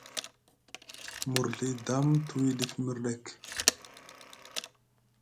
Murzɵi dam te wii ɗif mirɗek.